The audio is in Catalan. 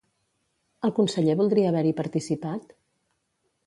El conseller voldria haver-hi participat?